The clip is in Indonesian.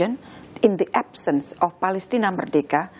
dalam kelebihan palestina merdeka